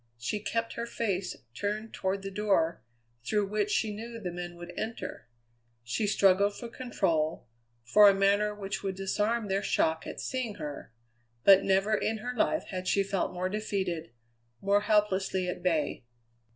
She kept her face turned toward the door through which she knew the men would enter. She struggled for control, for a manner which would disarm their shock at seeing her; but never in her life had she felt more defeated, more helplessly at bay.